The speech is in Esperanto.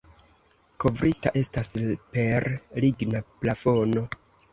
Kovrita estas per ligna plafono.